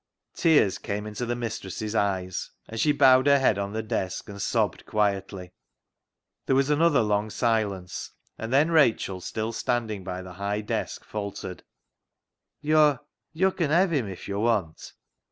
Tears came into the mistress's eyes, and she bowed her head on the desk and sobbed quietly. There was another long silence, and then Rachel, still standing by the high desk, faltered —" Yo' — yo' can hev him if yo' want."